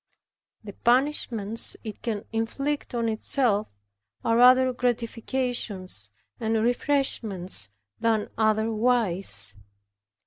The punishments it can inflict on itself, are rather gratifications and refreshments than otherwise.